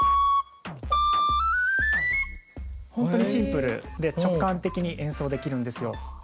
ホントにシンプルで直感的に演奏できるんですよ。